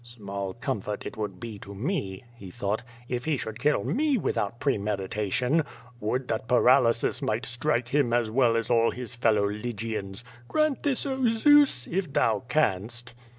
"Small comfort it would be to me/' he thought, "if he should kill me without premeditation. Would that paralysis might strike him as well as all his fellow Lygians. Grant this, oh Zeus! if thou canst."